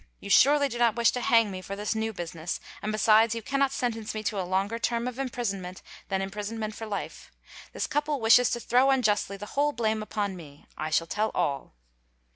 You surely do not wish to hang me for this new business and besides you cannot sentence me to a longer term of imprisonment than imprisonment for life; this couple wishes to throw unjustly the whole blame upon me; I shall tell all.